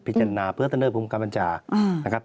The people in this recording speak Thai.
พิจารณาเพื่อเสนอภูมิความกำลังจา